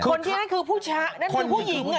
คนที่นั่นคือผู้ชะนั่นคือผู้หญิง